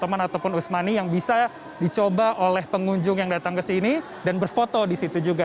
ataupun usmani yang bisa dicoba oleh pengunjung yang datang kesini dan berfoto disitu juga